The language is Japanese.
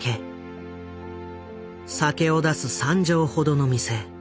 酒を出す３畳ほどの店。